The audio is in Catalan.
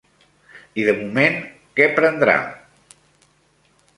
I de moment, què prendrà?